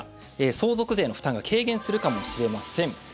相続税の負担が軽減するかもしれません。